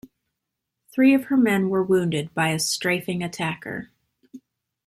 Three of her men were wounded by a strafing attacker.